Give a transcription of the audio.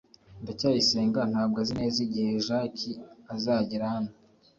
ndacyayisenga ntabwo azi neza igihe jaki azagera hano